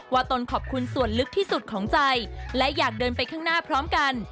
ตนขอบคุณส่วนลึกที่สุดของใจและอยากเดินไปข้างหน้าพร้อมกัน